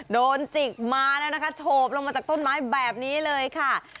จิกมาแล้วนะคะโฉบลงมาจากต้นไม้แบบนี้เลยค่ะ